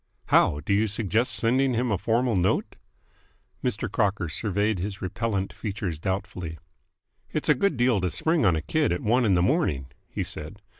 "How? Do you suggest sending him a formal note?" Mr. Crocker surveyed his repellent features doubtfully. "It's a good deal to spring on a kid at one in the morning," he said.